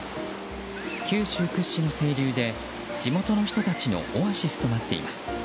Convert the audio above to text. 九州屈指の清流で地元の人たちのオアシスとなっています。